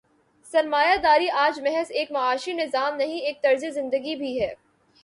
سرمایہ داری آج محض ایک معاشی نظام نہیں، ایک طرز زندگی بھی ہے۔